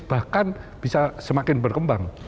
bahkan bisa semakin berkembang